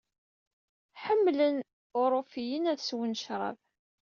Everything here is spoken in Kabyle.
Ḥemmlen uṛufiyen ad swen ccṛab.